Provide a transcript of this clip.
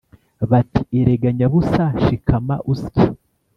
bati Erega nyabusa shikama usye